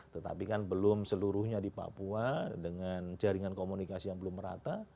tetapi kan belum seluruhnya di papua dengan jaringan komunikasi yang belum merata